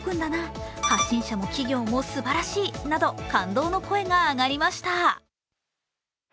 ＳＮＳでは感動の声が上がりました。